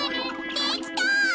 できた！